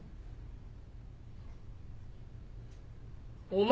「お前」